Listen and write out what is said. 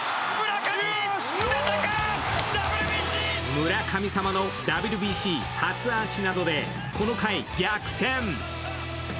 村神様のＷＢＣ初アーチなどでこの回逆転！